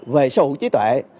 về sâu hữu trí tuệ